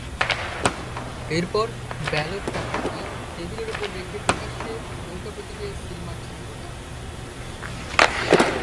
এরপর ব্যালট পেপারটি টেবিলের ওপর রেখে প্রকাশ্যে নৌকা প্রতীকে সিল মারছেন ভোটার।